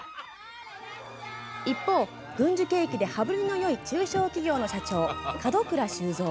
一方、軍需景気で羽振りのよい中小企業の社長、門倉修造。